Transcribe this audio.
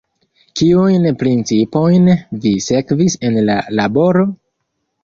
Kiujn principojn vi sekvis en la laboro?